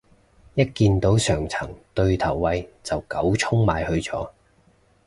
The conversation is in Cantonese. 一見到上層對頭位就狗衝埋去坐